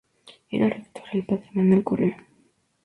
Era rector el padre Manuel Correa.